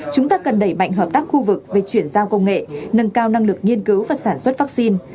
chúng ta cần đẩy mạnh hợp tác khu vực về chuyển giao công nghệ nâng cao năng lực nghiên cứu và sản xuất vaccine